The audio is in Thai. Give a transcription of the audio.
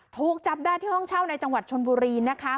ถูกจับได้ที่ห้องเช่าในจังหวัดชนบุรีนะคะ